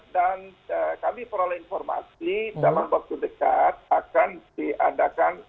kami peroleh informasi dalam waktu dekat akan diadakan